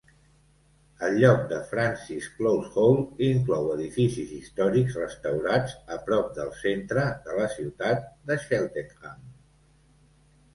El lloc de Francis Close Hall inclou edificis històrics restaurats a prop del centre de la ciutat de Cheltenham.